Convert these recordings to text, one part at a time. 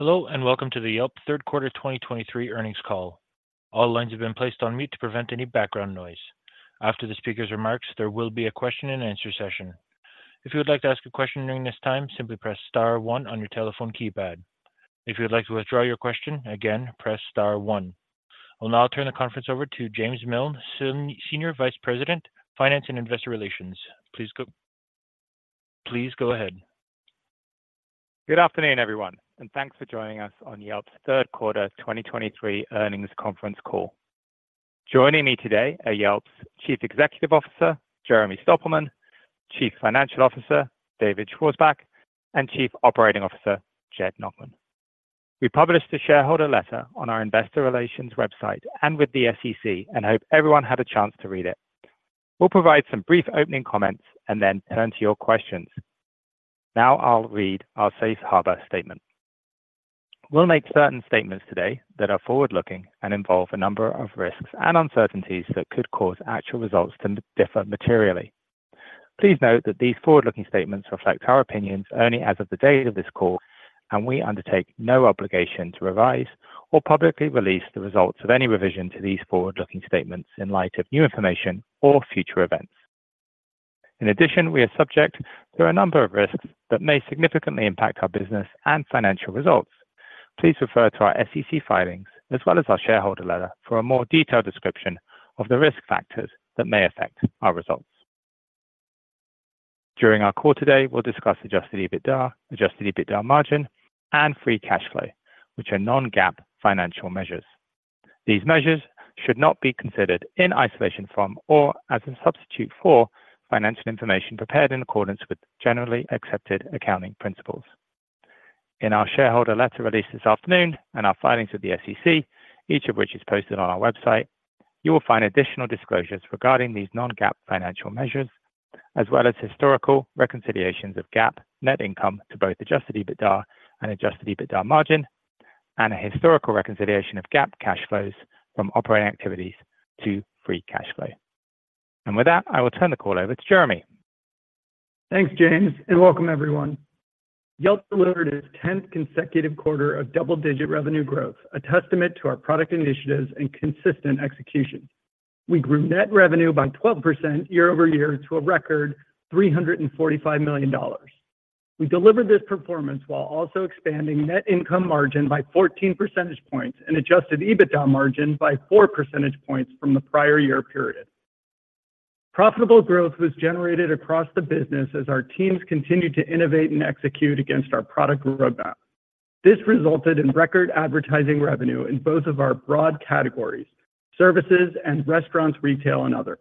Hello, and welcome to the Yelp third quarter 2023 earnings call. All lines have been placed on mute to prevent any background noise. After the speaker's remarks, there will be a question and answer session. If you would like to ask a question during this time, simply press star one on your telephone keypad. If you would like to withdraw your question, again, press star one. I'll now turn the conference over to James Miln, Senior Vice President, Finance and Investor Relations. Please go, please go ahead. Good afternoon, everyone, and thanks for joining us on Yelp's third quarter 2023 earnings conference call. Joining me today are Yelp's Chief Executive Officer, Jeremy Stoppelman, Chief Financial Officer, David Schwarzbach, and Chief Operating Officer, Jed Nachman. We published a shareholder letter on our Investor Relations website and with the SEC, and hope everyone had a chance to read it. We'll provide some brief opening comments and then turn to your questions. Now I'll read our safe harbor statement. We'll make certain statements today that are forward-looking and involve a number of risks and uncertainties that could cause actual results to differ materially. Please note that these forward-looking statements reflect our opinions only as of the date of this call, and we undertake no obligation to revise or publicly release the results of any revision to these forward-looking statements in light of new information or future events. In addition, we are subject to a number of risks that may significantly impact our business and financial results. Please refer to our SEC filings as well as our shareholder letter for a more detailed description of the risk factors that may affect our results. During our call today, we'll discuss Adjusted EBITDA, Adjusted EBITDA margin, and free cash flow, which are non-GAAP financial measures. These measures should not be considered in isolation from, or as a substitute for, financial information prepared in accordance with generally accepted accounting principles. In our shareholder letter released this afternoon and our filings with the SEC, each of which is posted on our website, you will find additional disclosures regarding these non-GAAP financial measures, as well as historical reconciliations of GAAP net income to both Adjusted EBITDA and Adjusted EBITDA margin, and a historical reconciliation of GAAP cash flows from operating activities to free cash flow. With that, I will turn the call over to Jeremy. Thanks, James, and welcome everyone. Yelp delivered its 10th consecutive quarter of double-digit revenue growth, a testament to our product initiatives and consistent execution. We grew net revenue by 12% year-over-year to a record $345 million. We delivered this performance while also expanding net income margin by 14 percentage points and Adjusted EBITDA margin by 4 percentage points from the prior year period. Profitable growth was generated across the business as our teams continued to innovate and execute against our product roadmap. This resulted in record advertising revenue in both of our broad categories: services and restaurants, retail, and other.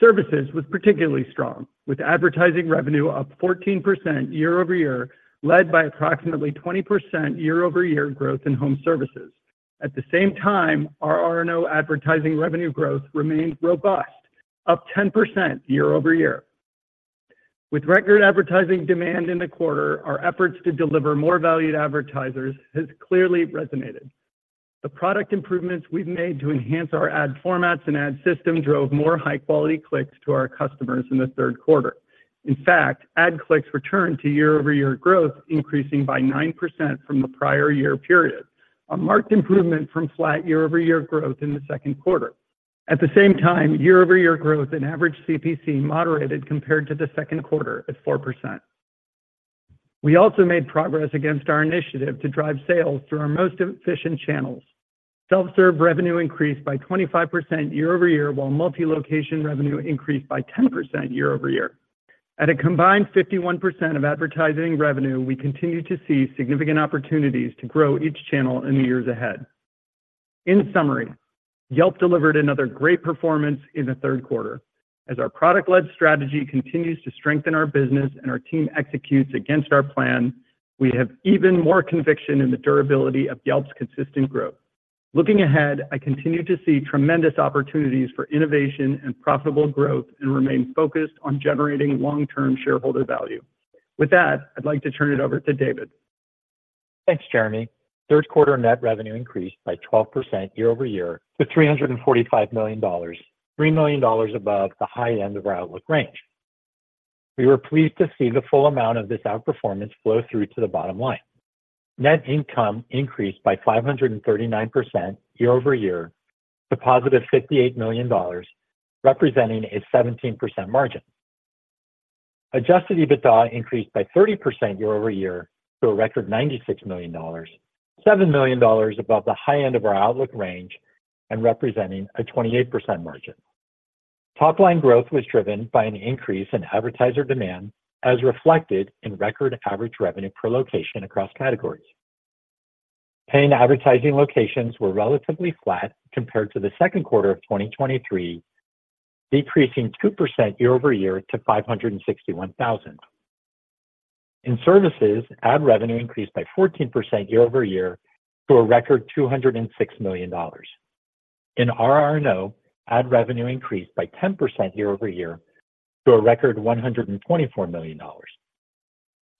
Services was particularly strong, with advertising revenue up 14% year-over-year, led by approximately 20% year-over-year growth in home services. At the same time, our RR&O advertising revenue growth remained robust, up 10% year-over-year. With record advertising demand in the quarter, our efforts to deliver more valued advertisers has clearly resonated. The product improvements we've made to enhance our ad formats and ad system drove more high-quality clicks to our customers in the third quarter. In fact, ad clicks returned to year-over-year growth, increasing by 9% from the prior year period, a marked improvement from flat year-over-year growth in the second quarter. At the same time, year-over-year growth in average CPC moderated compared to the second quarter at 4%. We also made progress against our initiative to drive sales through our most efficient channels. Self-serve revenue increased by 25% year-over-year, while Multi-location revenue increased by 10% year-over-year. At a combined 51% of advertising revenue, we continue to see significant opportunities to grow each channel in the years ahead. In summary, Yelp delivered another great performance in the third quarter. As our product-led strategy continues to strengthen our business and our team executes against our plan, we have even more conviction in the durability of Yelp's consistent growth. Looking ahead, I continue to see tremendous opportunities for innovation and profitable growth and remain focused on generating long-term shareholder value. With that, I'd like to turn it over to David. Thanks, Jeremy. Third quarter net revenue increased by 12% year-over-year to $345 million, $3 million above the high end of our outlook range. We were pleased to see the full amount of this outperformance flow through to the bottom line. Net income increased by 539% year-over-year to +$58 million, representing a 17% margin. Adjusted EBITDA increased by 30% year-over-year to a record $96 million, $7 million above the high end of our outlook range and representing a 28% margin. Top line growth was driven by an increase in advertiser demand, as reflected in record average revenue per location across categories. Paying advertising locations were relatively flat compared to the second quarter of 2023, decreasing 2% year-over-year to $561,000. In services, ad revenue increased by 14% year-over-year to a record $206 million. In RR&O, ad revenue increased by 10% year-over-year to a record $124 million.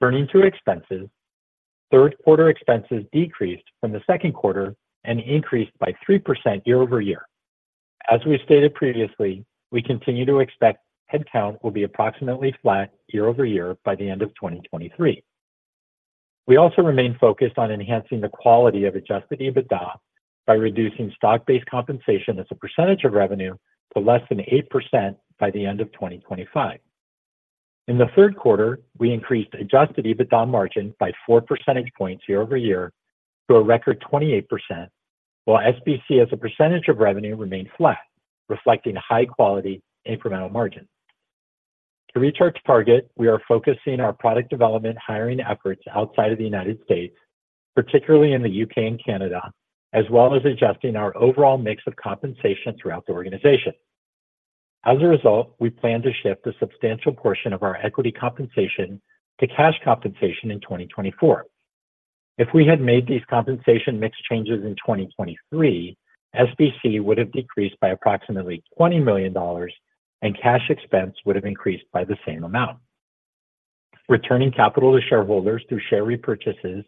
Turning to expenses, third quarter expenses decreased from the second quarter and increased by 3% year-over-year. As we stated previously, we continue to expect headcount will be approximately flat year-over-year by the end of 2023. We also remain focused on enhancing the quality of Adjusted EBITDA by reducing stock-based compensation as a percentage of revenue to less than 8% by the end of 2025. In the third quarter, we increased Adjusted EBITDA margin by 4 percentage points year-over-year to a record 28%, while SBC as a percentage of revenue remained flat, reflecting high quality incremental margin. To reach our target, we are focusing our product development hiring efforts outside of the United States, particularly in the U.K. and Canada, as well as adjusting our overall mix of compensation throughout the organization. As a result, we plan to shift a substantial portion of our equity compensation to cash compensation in 2024. If we had made these compensation mix changes in 2023, SBC would have decreased by approximately $20 million, and cash expense would have increased by the same amount. Returning capital to shareholders through share repurchases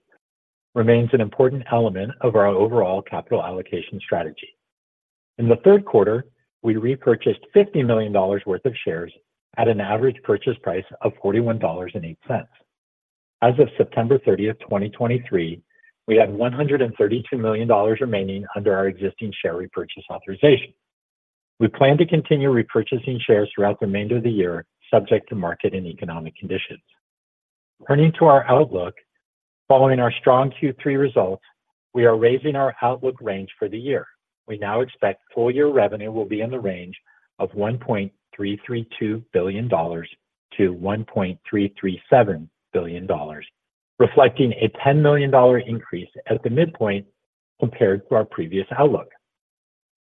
remains an important element of our overall capital allocation strategy. In the third quarter, we repurchased $50 million worth of shares at an average purchase price of $41.08. As of September 30th, 2023, we have $132 million remaining under our existing share repurchase authorization. We plan to continue repurchasing shares throughout the remainder of the year, subject to market and economic conditions. Turning to our outlook, following our strong Q3 results, we are raising our outlook range for the year. We now expect full year revenue will be in the range of $1.332 billion-$1.337 billion, reflecting a $10 million increase at the midpoint compared to our previous outlook.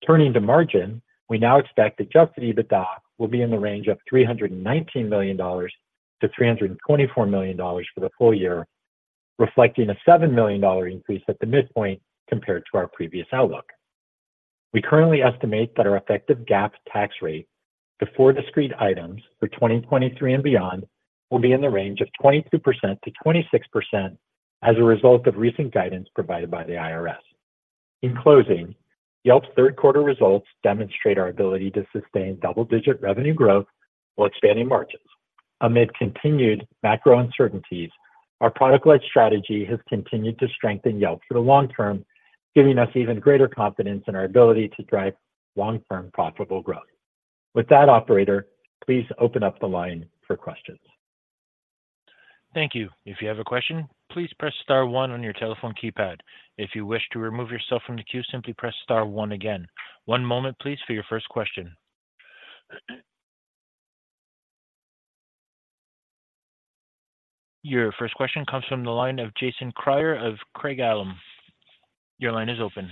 Turning to margin, we now expect Adjusted EBITDA will be in the range of $319 million-$324 million for the full year, reflecting a $7 million increase at the midpoint compared to our previous outlook. We currently estimate that our effective GAAP tax rate before discrete items for 2023 and beyond will be in the range of 22%-26% as a result of recent guidance provided by the IRS. In closing, Yelp's third quarter results demonstrate our ability to sustain double-digit revenue growth while expanding margins. Amid continued macro uncertainties, our product-led strategy has continued to strengthen Yelp for the long term, giving us even greater confidence in our ability to drive long-term profitable growth. With that, operator, please open up the line for questions. Thank you. If you have a question, please press star one on your telephone keypad. If you wish to remove yourself from the queue, simply press star one again. One moment, please, for your first question. Your first question comes from the line of Jason Kreyer of Craig-Hallum. Your line is open.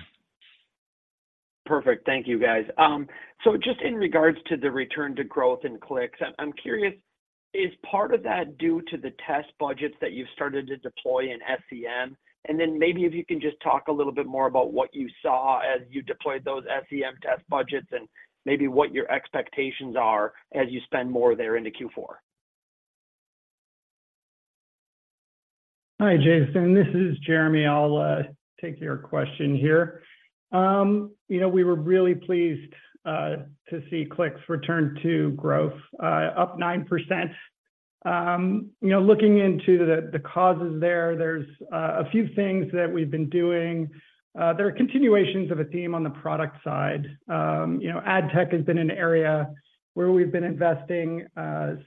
Perfect. Thank you, guys. So just in regards to the return to growth in clicks, I'm curious, is part of that due to the test budgets that you've started to deploy in SEM? And then maybe if you can just talk a little bit more about what you saw as you deployed those SEM test budgets and maybe what your expectations are as you spend more there into Q4. Hi, Jason, this is Jeremy. I'll take your question here. You know, we were really pleased to see clicks return to growth, up 9%. You know, looking into the causes there, there's a few things that we've been doing. There are continuations of a theme on the product side. You know, ad tech has been an area where we've been investing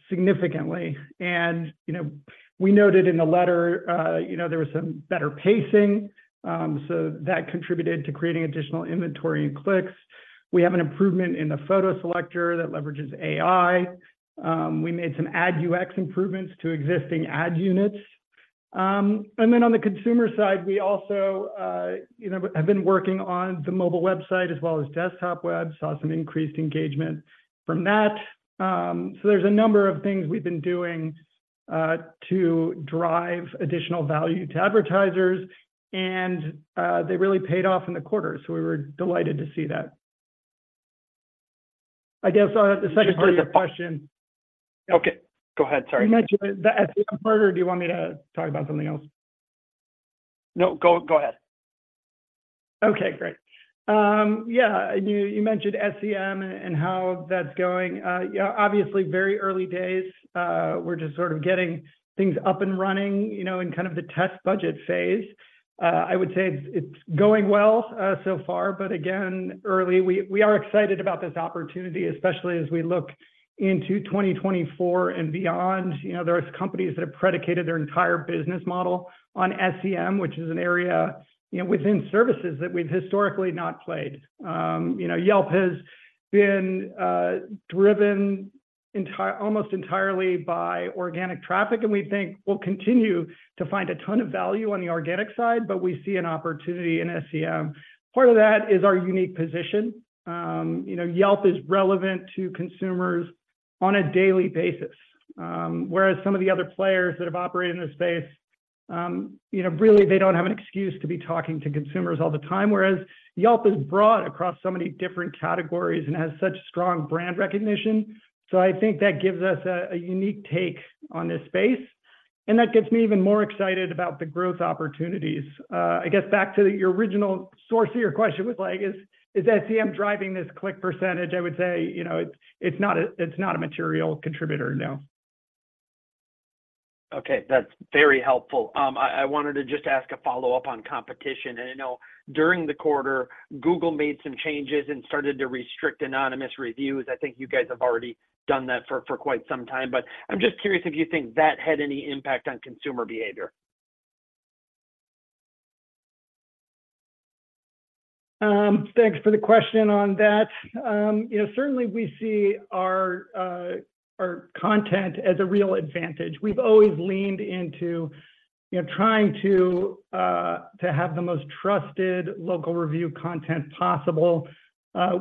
significantly. You know, we noted in the letter, you know, there was some better pacing, so that contributed to creating additional inventory and clicks. We have an improvement in the photo selector that leverages AI. We made some ad UX improvements to existing ad units. And then on the consumer side, we also, you know, have been working on the mobile website as well as desktop web, saw some increased engagement from that. So there's a number of things we've been doing, to drive additional value to advertisers, and they really paid off in the quarter, so we were delighted to see that. I guess, the second part of your question- Okay. Go ahead, sorry. You mentioned the SEM part, or do you want me to talk about something else? No, go ahead. Okay, great. Yeah, you mentioned SEM and how that's going. Yeah, obviously, very early days. We're just sort of getting things up and running, you know, in kind of the test budget phase. I would say it's going well so far, but again, early. We are excited about this opportunity, especially as we look into 2024 and beyond. You know, there are companies that have predicated their entire business model on SEM, which is an area, you know, within services that we've historically not played. You know, Yelp has been driven almost entirely by organic traffic, and we think we'll continue to find a ton of value on the organic side, but we see an opportunity in SEM. Part of that is our unique position. You know, Yelp is relevant to consumers on a daily basis. Whereas some of the other players that have operated in this space, you know, really, they don't have an excuse to be talking to consumers all the time, whereas Yelp is broad across so many different categories and has such strong brand recognition. So I think that gives us a unique take on this space. That gets me even more excited about the growth opportunities. I guess back to your original source of your question was like, is SEM driving this click percentage? I would say, you know, it's not a material contributor, no. Okay, that's very helpful. I wanted to just ask a follow-up on competition. And I know during the quarter, Google made some changes and started to restrict anonymous reviews. I think you guys have already done that for quite some time, but I'm just curious if you think that had any impact on consumer behavior? Thanks for the question on that. You know, certainly we see our, our content as a real advantage. We've always leaned into, you know, trying to, to have the most trusted local review content possible.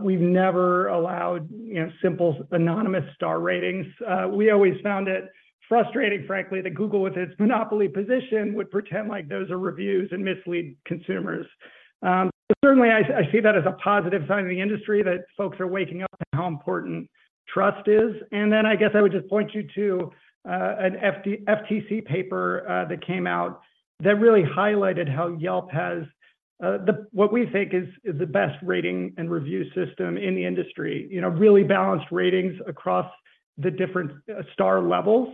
We've never allowed, you know, simple, anonymous star ratings. We always found it frustrating, frankly, that Google, with its monopoly position, would pretend like those are reviews and mislead consumers. But certainly, I, I see that as a positive sign in the industry, that folks are waking up to how important trust is. And then I guess I would just point you to, an FTC paper, that came out that really highlighted how Yelp has, the-- what we think is, is the best rating and review system in the industry. You know, really balanced ratings across the different, star levels,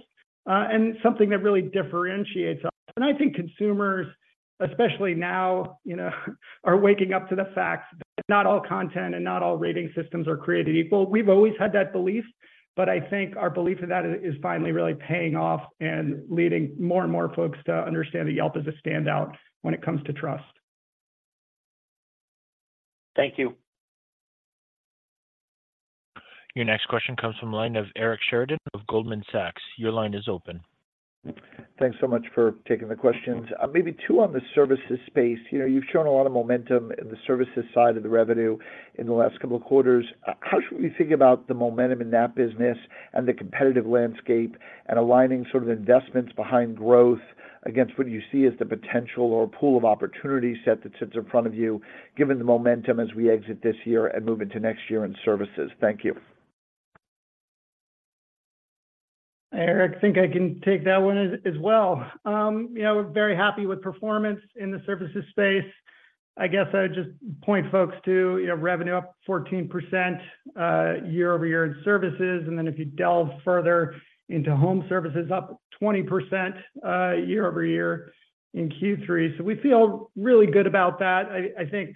and something that really differentiates us. And I think consumers, especially now, you know, are waking up to the fact that not all content and not all rating systems are created equal. We've always had that belief, but I think our belief in that is finally really paying off and leading more and more folks to understand that Yelp is a standout when it comes to trust. Thank you. Your next question comes from the line of Eric Sheridan of Goldman Sachs. Your line is open. Thanks so much for taking the questions. Maybe two on the services space. You know, you've shown a lot of momentum in the services side of the revenue in the last couple of quarters. How should we think about the momentum in that business and the competitive landscape, and aligning sort of investments behind growth against what you see as the potential or pool of opportunity set that sits in front of you, given the momentum as we exit this year and move into next year in services? Thank you. Eric, I think I can take that one as well. You know, we're very happy with performance in the services space. I guess I would just point folks to, you know, revenue up 14% year-over-year in services, and then if you delve further into home services, up 20% year-over-year in Q3. So we feel really good about that. I think,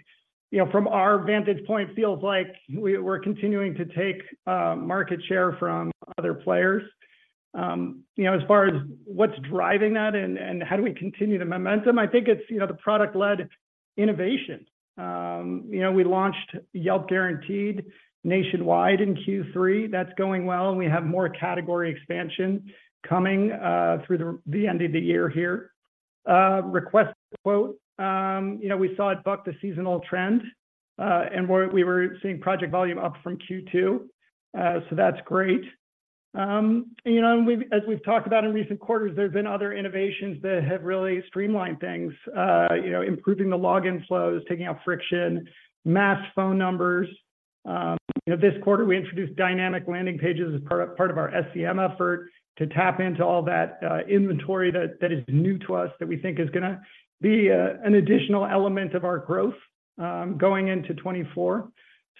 you know, from our vantage point, it feels like we're continuing to take market share from other players. You know, as far as what's driving that and how do we continue the momentum, I think it's, you know, the product-led innovation. You know, we launched Yelp Guaranteed nationwide in Q3. That's going well, and we have more category expansion coming through the end of the year here. Request a Quote, you know, we saw it buck the seasonal trend, and we were seeing project volume up from Q2, so that's great. You know, and as we've talked about in recent quarters, there have been other innovations that have really streamlined things, you know, improving the login flows, taking out friction, masked phone numbers. You know, this quarter, we introduced dynamic landing pages as part of our SEM effort to tap into all that inventory that is new to us, that we think is gonna be an additional element of our growth, going into 2024.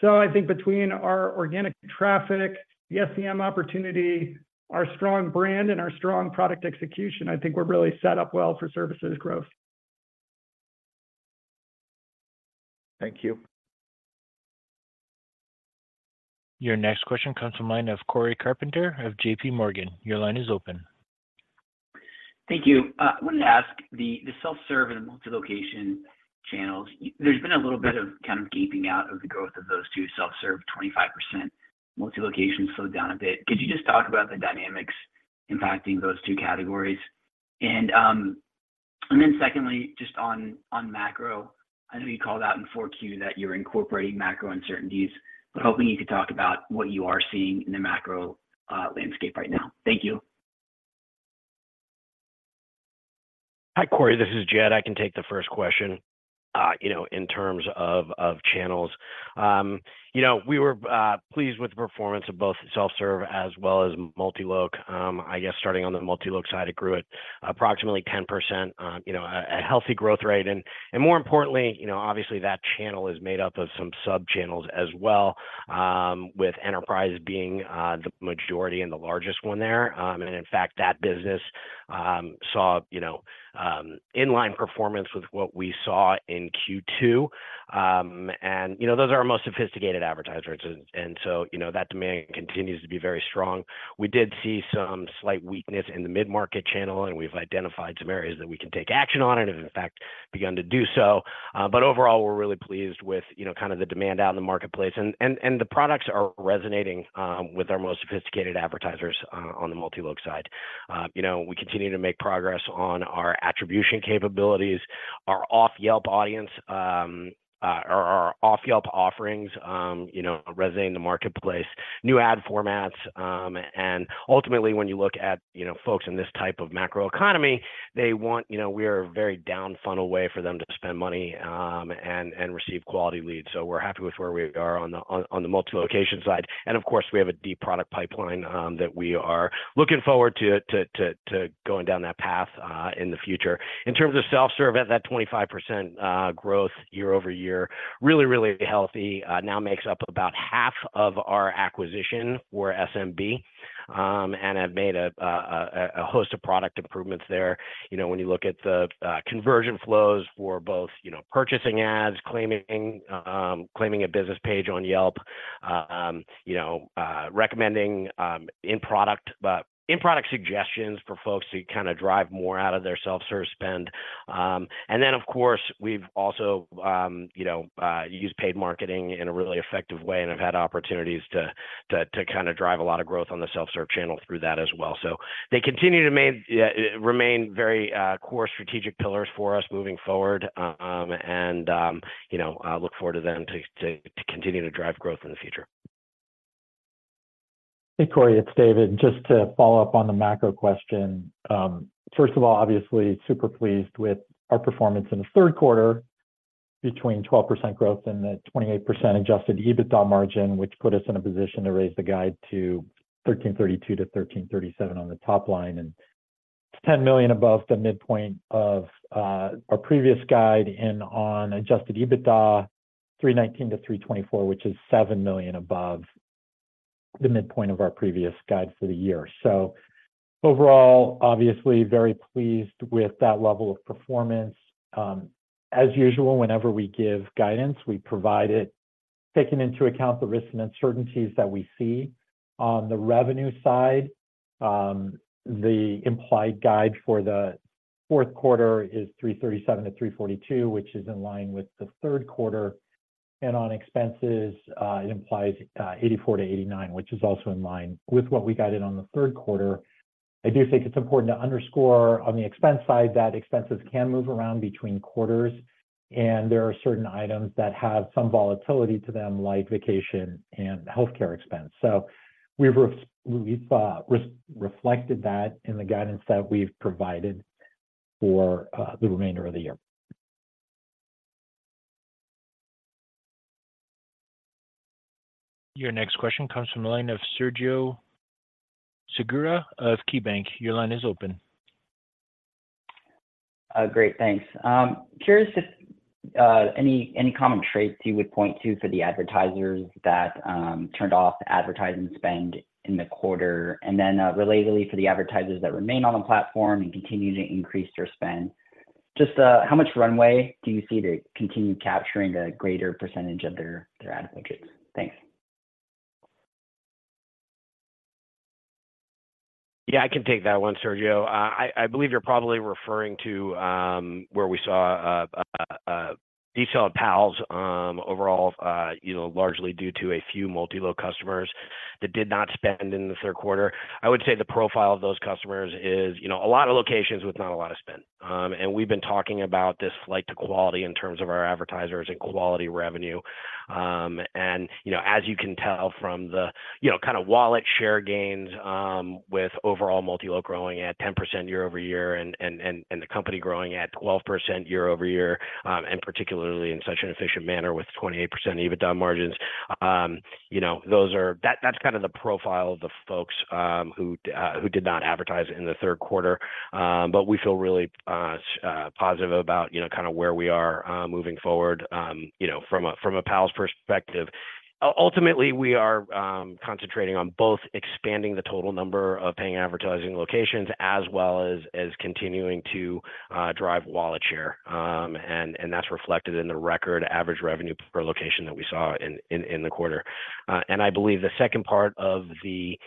So I think between our organic traffic, the SEM opportunity, our strong brand, and our strong product execution, I think we're really set up well for services growth. Thank you. Your next question comes from line of Cory Carpenter of J.P. Morgan. Your line is open. Thank you. I wanted to ask, the self-serve and multi-location channels, there's been a little bit of kind of gaping out of the growth of those two. Self-serve, 25%, multi-location slowed down a bit. Could you just talk about the dynamics impacting those two categories? And then secondly, just on macro, I know you called out in 4Q that you're incorporating macro uncertainties, but hoping you could talk about what you are seeing in the macro landscape right now. Thank you. Hi, Cory, this is Jed. I can take the first question. You know, in terms of channels, you know, we were pleased with the performance of both self-serve as well as multi-loc. I guess starting on the multi-loc side, it grew at approximately 10%, you know, a healthy growth rate. And more importantly, you know, obviously that channel is made up of some sub-channels as well, with enterprise being the majority and the largest one there. And in fact, that business saw you know inline performance with what we saw in Q2. And you know, those are our most sophisticated advertisers, and so you know, that demand continues to be very strong. We did see some slight weakness in the mid-market channel, and we've identified some areas that we can take action on, and have in fact begun to do so. But overall, we're really pleased with, you know, kind of the demand out in the marketplace. And the products are resonating with our most sophisticated advertisers on the multi-loc side. You know, we continue to make progress on our attribution capabilities, our off-Yelp audience, our off-Yelp offerings, you know, resonate in the marketplace. New ad formats, and ultimately, when you look at, you know, folks in this type of macroeconomy. They want, you know, we are a very down funnel way for them to spend money, and receive quality leads. So we're happy with where we are on the multi-location side. Of course, we have a deep product pipeline that we are looking forward to going down that path in the future. In terms of self-serve, at that 25% growth year-over-year, really, really healthy, now makes up about half of our acquisition for SMB, and have made a host of product improvements there. You know, when you look at the conversion flows for both, you know, purchasing ads, claiming a business page on Yelp, you know, recommending in product, but in product suggestions for folks to kind of drive more out of their self-serve spend. And then, of course, we've also, you know, used paid marketing in a really effective way and have had opportunities to kind of drive a lot of growth on the self-serve channel through that as well. So they continue to remain very core strategic pillars for us moving forward, and, you know, I look forward to them to continue to drive growth in the future. Hey, Cory, it's David. Just to follow up on the macro question. First of all, obviously super pleased with our performance in the third quarter, between 12% growth and the 28% Adjusted EBITDA margin, which put us in a position to raise the guide to $1,332-$1,337 on the top line, and $10 million above the midpoint of our previous guide, and on Adjusted EBITDA, $319-$324, which is $7 million above the midpoint of our previous guide for the year. So overall, obviously very pleased with that level of performance. As usual, whenever we give guidance, we provide it, taking into account the risks and uncertainties that we see. On the revenue side, the implied guide for the fourth quarter is $337 million-$342 million, which is in line with the third quarter, and on expenses, it implies $84 million-$89 million, which is also in line with what we guided on the third quarter. I do think it's important to underscore on the expense side, that expenses can move around between quarters, and there are certain items that have some volatility to them, like vacation and healthcare expenses. So we've reflected that in the guidance that we've provided for the remainder of the year. Your next question comes from the line of Sergio Segura of KeyBanc. Your line is open. Great, thanks. Curious if any common traits you would point to for the advertisers that turned off advertising spend in the quarter, and then relatedly, for the advertisers that remain on the platform and continue to increase their spend, just how much runway do you see to continue capturing a greater percentage of their ad budget? Thanks. Yeah, I can take that one, Sergio. I believe you're probably referring to where we saw a detailed PALs overall, you know, largely due to a few multi-loc customers that did not spend in the third quarter. I would say the profile of those customers is, you know, a lot of locations with not a lot of spend. And we've been talking about this flight to quality in terms of our advertisers and quality revenue. And, you know, as you can tell from the, you know, kind of wallet share gains, with overall multi-loc growing at 10% year-over-year and the company growing at 12% year-over-year, and particularly in such an efficient manner with 28% EBITDA margins. You know, those are... That, that's kind of the profile of the folks who did not advertise in the third quarter. But we feel really positive about, you know, kind of where we are moving forward, you know, from a PALs perspective. Ultimately, we are concentrating on both expanding the total number of paying advertising locations, as well as continuing to drive wallet share. And that's reflected in the record average revenue per location that we saw in the quarter. And I believe the second part of the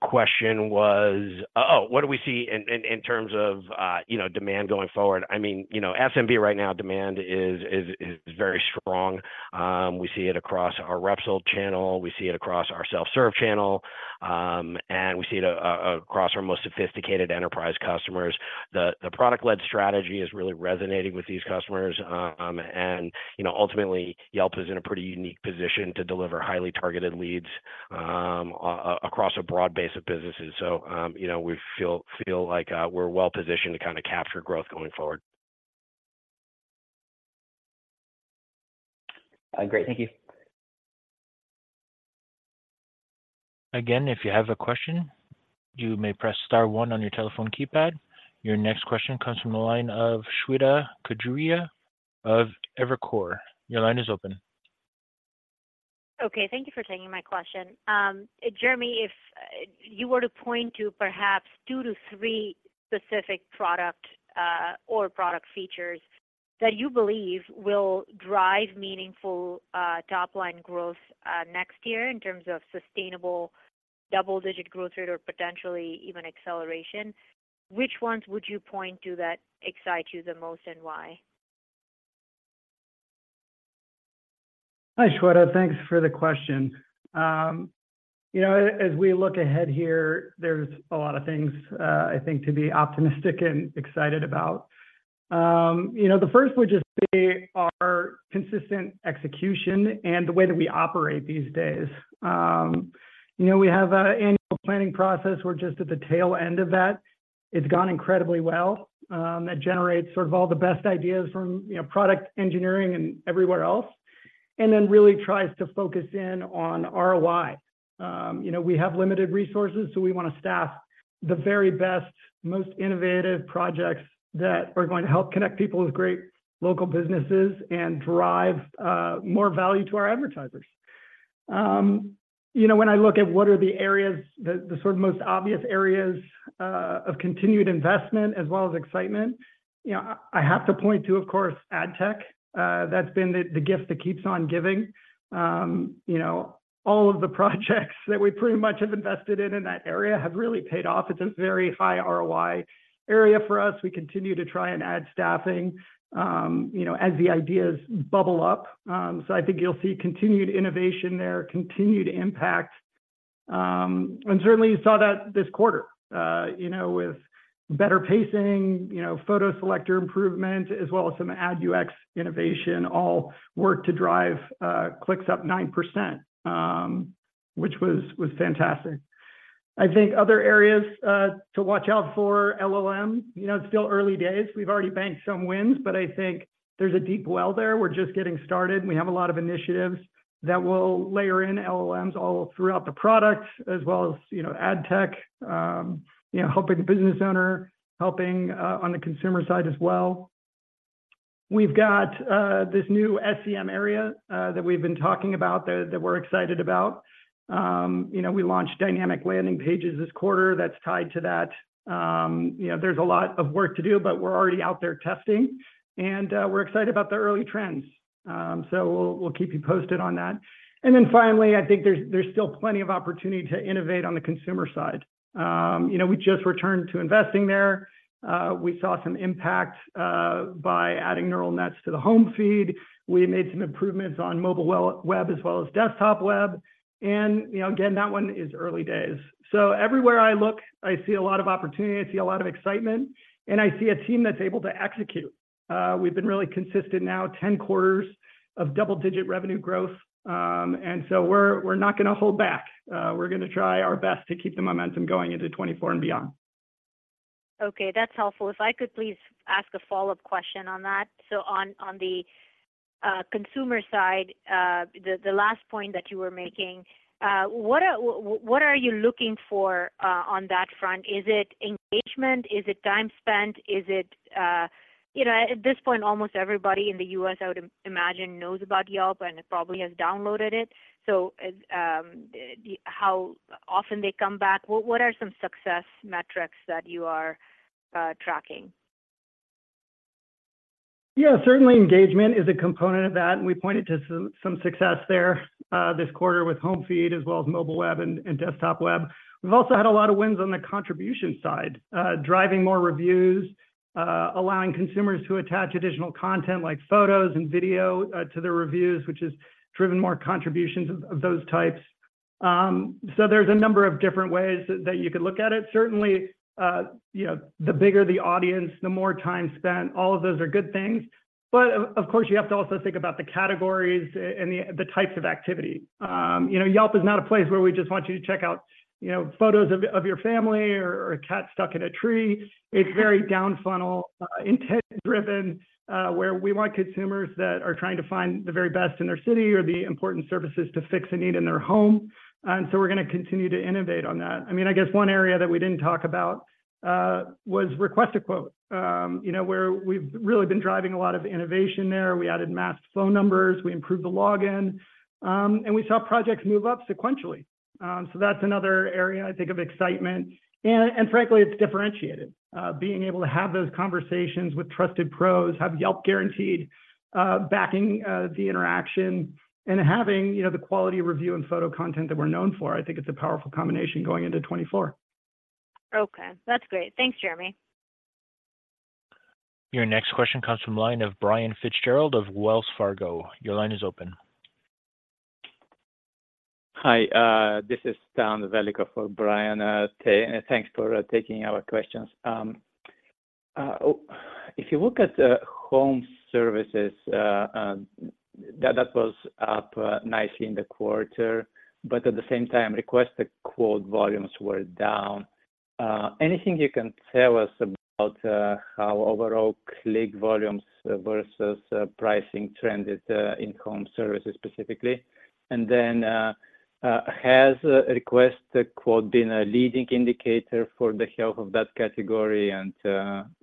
question was... Oh, what do we see in terms of, you know, demand going forward? I mean, you know, SMB right now, demand is very strong. We see it across our rep-sold channel, we see it across our self-serve channel, and we see it across our most sophisticated enterprise customers. The product-led strategy is really resonating with these customers. And, you know, ultimately, Yelp is in a pretty unique position to deliver highly targeted leads, across a broad base of businesses. So, you know, we feel like we're well positioned to kind of capture growth going forward. Great. Thank you. Again, if you have a question, you may press star one on your telephone keypad. Your next question comes from the line of Shweta Khajuria of Evercore. Your line is open. Okay, thank you for taking my question. Jeremy, if you were to point to perhaps two to three specific product or product features that you believe will drive meaningful top-line growth next year in terms of sustainable double-digit growth rate or potentially even acceleration, which ones would you point to that excite you the most, and why? Hi, Shweta. Thanks for the question. You know, as we look ahead here, there's a lot of things, I think, to be optimistic and excited about. You know, the first would just be our consistent execution and the way that we operate these days. You know, we have an annual planning process, we're just at the tail end of that. It's gone incredibly well. It generates sort of all the best ideas from, you know, product engineering and everywhere else, and then really tries to focus in on ROI. You know, we have limited resources, so we want to staff the very best, most innovative projects that are going to help connect people with great local businesses and drive more value to our advertisers. You know, when I look at what are the areas, the sort of most obvious areas of continued investment as well as excitement, you know, I have to point to, of course, ad tech. That's been the gift that keeps on giving. You know, all of the projects that we pretty much have invested in, in that area have really paid off. It's a very high ROI area for us. We continue to try and add staffing, you know, as the ideas bubble up. So I think you'll see continued innovation there, continued impact. And certainly, you saw that this quarter, you know, with better pacing, you know, photo selector improvement, as well as some ad UX innovation, all work to drive clicks up 9%, which was fantastic. I think other areas to watch out for LLM, you know, it's still early days. We've already banked some wins, but I think there's a deep well there. We're just getting started. We have a lot of initiatives that will layer in LLMs all throughout the product, as well as, you know, ad tech, you know, helping the business owner, helping, on the consumer side as well. We've got, this new SEM area, that we've been talking about that, that we're excited about. You know, we launched dynamic landing pages this quarter that's tied to that. You know, there's a lot of work to do, but we're already out there testing, and, we're excited about the early trends. So we'll, we'll keep you posted on that. And then finally, I think there's, there's still plenty of opportunity to innovate on the consumer side. You know, we just returned to investing there. We saw some impact, by adding neural nets to the Home Feed. We made some improvements on mobile, well, web as well as desktop web, and, you know, again, that one is early days. So everywhere I look, I see a lot of opportunity, I see a lot of excitement, and I see a team that's able to execute. We've been really consistent now, 10 quarters of double-digit revenue growth. And so we're, we're not gonna hold back. We're gonna try our best to keep the momentum going into 2024 and beyond. Okay, that's helpful. If I could please ask a follow-up question on that. So on the consumer side, the last point that you were making, what are you looking for on that front? Is it engagement? Is it time spent? You know, at this point, almost everybody in the U.S., I would imagine, knows about Yelp and probably has downloaded it. So, how often they come back. What are some success metrics that you are tracking? Yeah, certainly engagement is a component of that, and we pointed to some success there this quarter with Home Feed, as well as mobile web and desktop web. We've also had a lot of wins on the contribution side, driving more reviews, allowing consumers to attach additional content, like photos and video, to their reviews, which has driven more contributions of those types. So there's a number of different ways that you could look at it. Certainly, you know, the bigger the audience, the more time spent, all of those are good things. But of course, you have to also think about the categories and the types of activity. You know, Yelp is not a place where we just want you to check out, you know, photos of your family or a cat stuck in a tree. It's very down-funnel, intent-driven, where we want consumers that are trying to find the very best in their city or the important services to fix a need in their home. And so we're gonna continue to innovate on that. I mean, I guess one area that we didn't talk about was Request a Quote. You know, where we've really been driving a lot of innovation there. We added masked phone numbers, we improved the login, and we saw projects move up sequentially. So that's another area, I think, of excitement. And frankly, it's differentiated. Being able to have those conversations with trusted pros, have Yelp Guaranteed backing the interaction, and having, you know, the quality of review and photo content that we're known for, I think it's a powerful combination going into 2024. Okay. That's great. Thanks, Jeremy. Your next question comes from the line of Brian FitzGerald of Wells Fargo. Your line is open. Hi, this is Stan Velikov for Brian. Thanks for taking our questions. If you look at the home services, that was up nicely in the quarter, but at the same time, Request a Quote volumes were down. Anything you can tell us about how overall click volumes versus pricing trends is in home services specifically? And then, has Request a Quote been a leading indicator for the health of that category? And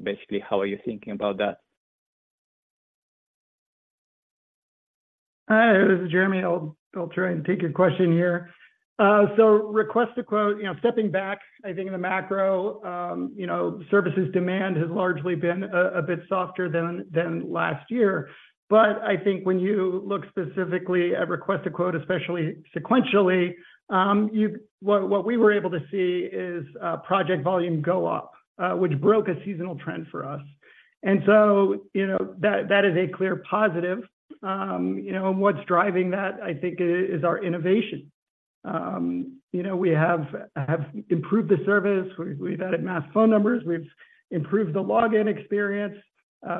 basically, how are you thinking about that? Hi, this is Jeremy. I'll try and take your question here. So Request a Quote, you know, stepping back, I think in the macro, you know, services demand has largely been a bit softer than last year. But I think when you look specifically at Request a Quote, especially sequentially, what we were able to see is project volume go up, which broke a seasonal trend for us. And so, you know, that is a clear positive. You know, and what's driving that, I think, is our innovation. You know, we have improved the service. We've added masked phone numbers, we've improved the login experience.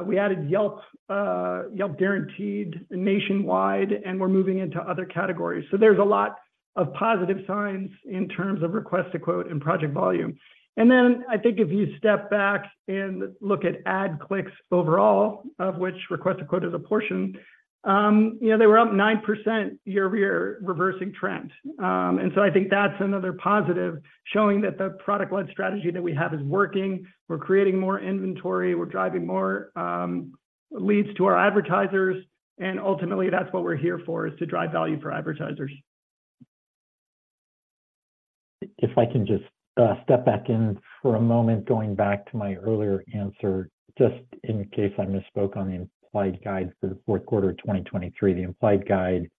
We added Yelp Guaranteed nationwide, and we're moving into other categories. So there's a lot of positive signs in terms of Request a Quote and project volume. And then, I think if you step back and look at ad clicks overall, of which Request a Quote is a portion, you know, they were up 9% year-over-year, reversing trend. And so I think that's another positive, showing that the product-led strategy that we have is working. We're creating more inventory, we're driving more leads to our advertisers, and ultimately, that's what we're here for, is to drive value for advertisers. If I can just step back in for a moment, going back to my earlier answer, just in case I misspoke on the implied guide for the fourth quarter of 2023. The implied guide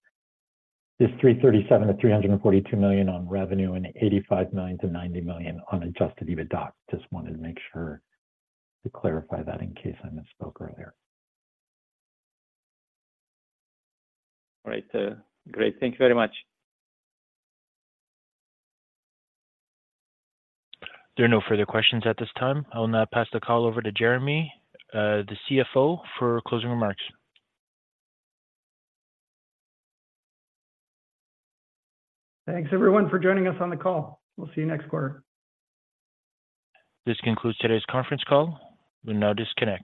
is $337 million-$342 million on revenue and $85 million-$90 million on Adjusted EBITDA. Just wanted to make sure to clarify that in case I misspoke earlier. All right. Great. Thank you very much. There are no further questions at this time. I'll now pass the call over to Jeremy, the CFO, for closing remarks. Thanks, everyone, for joining us on the call. We'll see you next quarter. This concludes today's conference call. You may now disconnect.